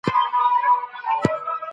زه پرون ونې ته اوبه ورکوم وم.